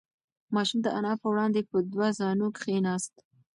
ماشوم د انا په وړاندې په دوه زانو کښېناست.